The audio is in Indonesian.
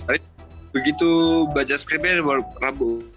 tapi begitu baca skripnya